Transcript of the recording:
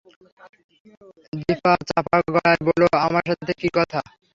দিপা চাপা গলায় বলল, আমার সাথে কী কথা?